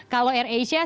kalau air asia